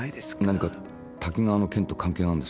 何か滝川の件と関係があるんですか？